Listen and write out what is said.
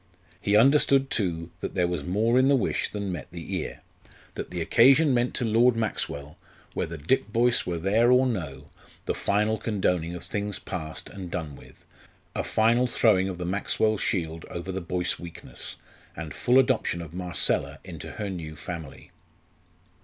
He understood, too, that there was more in the wish than met the ear; that the occasion meant to Lord Maxwell, whether Dick Boyce were there or no, the final condoning of things past and done with, a final throwing of the Maxwell shield over the Boyce weakness, and full adoption of Marcella into her new family.